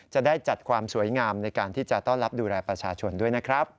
จะได้จัดความสวยงามในการที่จะต้อนรับดูแลประชาชนด้วยนะครับ